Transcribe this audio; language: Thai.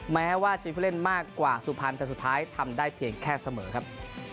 แม้ว่าจะมีผู้เล่นมากกว่าสุพรรณแต่สุดท้ายทำได้เพียงแค่เสมอครับ